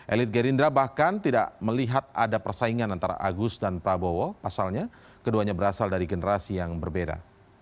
elit gerindra bahkan tidak melihat ada persaingan antara agus dan prabowo pasalnya keduanya berasal dari generasi yang berbeda